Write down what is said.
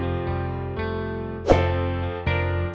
terima kasih bapak